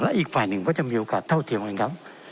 อีกฝ่ายหนึ่งก็จะมีโอกาสเท่าเทียมกันครับ